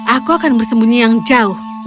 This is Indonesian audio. aku akan bersembunyi yang jauh